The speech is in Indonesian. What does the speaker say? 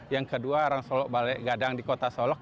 yang kedua orang solok balai gadang di kota solok